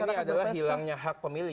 yang terakhir ini adalah hilangnya hak pemilih